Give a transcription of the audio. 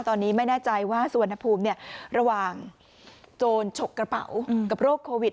ตอนนี้ไม่แน่ใจว่าสุวรรณภูมิระหว่างโจรฉกกระเป๋ากับโรคโควิด